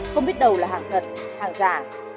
không biết đầu là hàng thật hàng giả